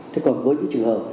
thế còn với cái trường hợp